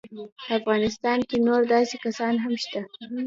په افغانستان کې نور داسې کسان هم شته.